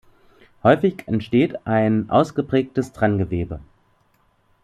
Häufig entsteht ein ausgeprägtes Trenngewebe.